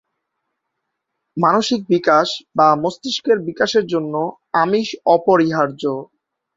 মানসিক বিকাশ বা মস্তিষ্কের বিকাশের জন্য আমিষ অপরিহার্য।